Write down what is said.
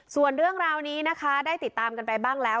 ส่วนเรื่องราวนี้นะคะได้ติดตามกันไปบ้างแล้ว